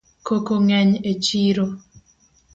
Koko ng'eny e chiro